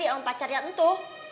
si meli sama pacarnya itu